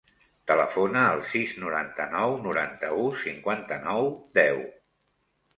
Telefona al sis, noranta-nou, noranta-u, cinquanta-nou, deu.